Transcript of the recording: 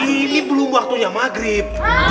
ini belum waktunya maghrib